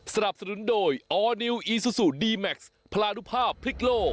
สนับสนุนโดยออร์นิวอีซูซูดีแม็กซ์พลานุภาพพริกโล